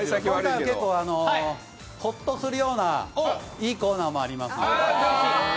ホッとするようないいコーナーもあります。